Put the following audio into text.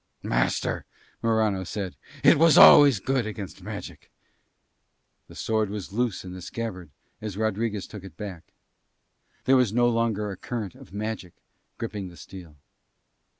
"Master," Morano said, "it was always good against magic." The sword was loose in the scabbard as Rodriguez took it back; there was no longer a current of magic gripping the steel.